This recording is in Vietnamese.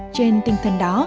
trên tinh thần đó